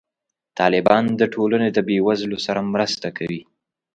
طالبان د ټولنې د بې وزلو سره مرسته کوي.